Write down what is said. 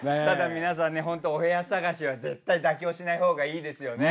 ただ皆さんねお部屋探しは絶対妥協しない方がいいですよ。